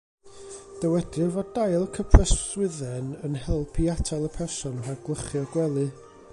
Dywedir fod dail cypreswydden yn help i atal y person rhag gwlychu'r gwely.